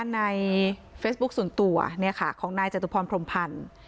ในเฟซบุ๊คส่วนตัวของนายจตุพรพรมพันธ์